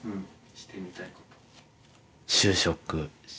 してみたいこと？